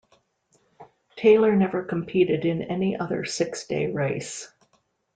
Taylor never competed in any other six-day race.